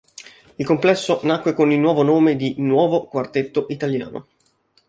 Il complesso nacque con il nome di "Nuovo Quartetto Italiano".